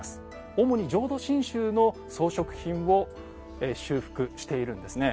主に浄土真宗の装飾品を修復しているんですね。